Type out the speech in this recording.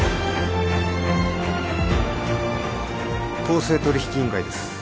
公正取引委員会です。